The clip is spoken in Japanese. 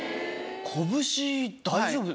拳大丈夫？